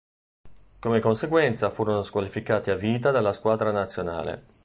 Come conseguenza furono squalificati a vita dalla squadra nazionale.